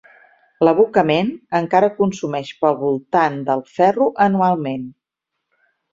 L'abocament encara consumeix pel voltant del ferro anualment.